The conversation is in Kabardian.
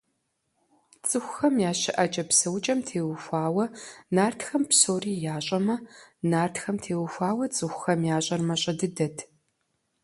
ЦӀыхухэм я щыӀэкӀэ–псэукӀэм теухуауэ нартхэм псори ящӀэмэ, нартхэм теухуауэ цӀыхухэм ящӀэр мащӀэ дыдэт.